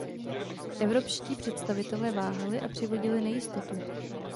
Evropští představitelé váhali a přivodili nejistotu.